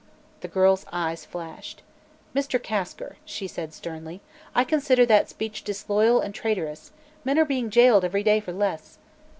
The girl's eyes flashed. "Mr. Kasker," she said sternly, "I consider that speech disloyal and traitorous. Men are being jailed every day for less!"